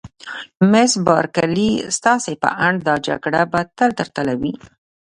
مس بارکلي: ستاسي په اند دا جګړه به تل تر تله وي؟